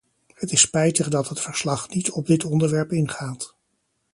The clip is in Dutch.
Het is spijtig dat het verslag niet op dit onderwerp ingaat.